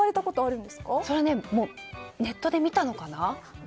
それはネットで見たのかな。